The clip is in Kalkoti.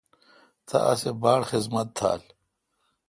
تا اسی باڑ خذمت تھال۔